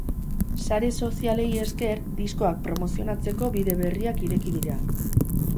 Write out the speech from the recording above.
Sare sozialei esker, diskoak promozionatzeko bide berriak ireki dira.